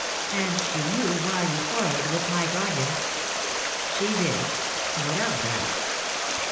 "And she knew why you quarrelled with my guardian." "She did. What of that?"